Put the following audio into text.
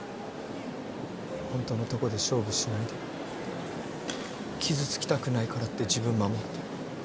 ホントのとこで勝負しないで傷つきたくないからって自分守って。